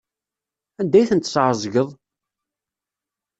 Anda ay tent-tesɛeẓgeḍ?